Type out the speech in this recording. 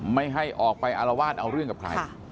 ไม่ให้ออกไปอารวาสเอาเรื่องกับใคร